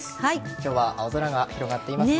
今日は青空が広がっていますね。